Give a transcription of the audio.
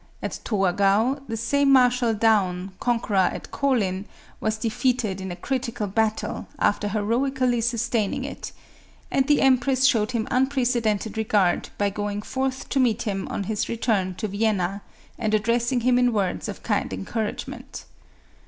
At Torgau, the same Marshal Daun, conqueror at Kolin, was de feated in a critical battle, after heroically sustaining it ; and the empress showed him. unprecedented regard by going forth to meet him on his return to Vienna, and addressing him in words of kind encouragement.